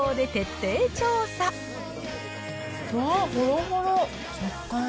わっ、ほろほろ。